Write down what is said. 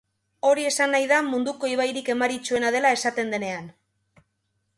Hori esan nahi da munduko ibairik emaritsuena dela esaten denean.